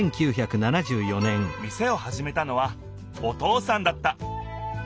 店をはじめたのはお父さんだった。